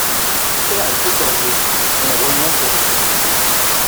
Père et Potager On remonte les ricochets.